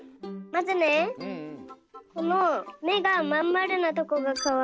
まずねこのめがまんまるなとこがかわいいの。